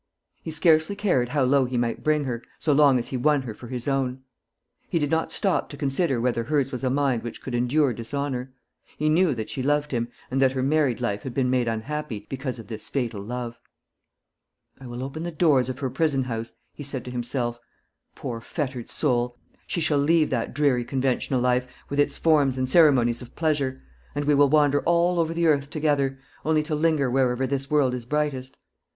He scarcely cared how low he might bring her, so long as he won her for his own. He did not stop to consider whether hers was a mind which could endure dishonour. He knew that she loved him, and that her married life had been made unhappy because of this fatal love. "I will open the doors of her prison house," he said to himself, "poor fettered soul! She shall leave that dreary conventional life, with its forms and ceremonies of pleasure; and we will wander all over the earth together, only to linger wherever this world is brightest.